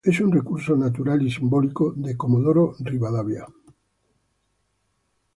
Es un recurso natural y simbólico de Comodoro Rivadavia.